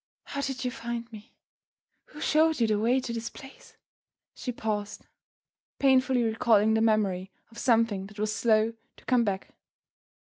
"How did you find me? Who showed you the way to this place?" She paused; painfully recalling the memory of something that was slow to come back.